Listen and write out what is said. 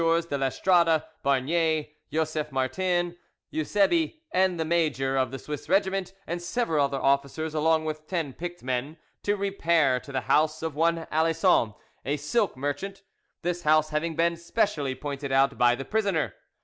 de L'Estrade, Barnier, Joseph Martin, Eusebe, the major of the Swiss regiment, and several other officers, along with ten picked men, to repair to the house of one Alison, a silk merchant, this house having been specially pointed out by the prisoner.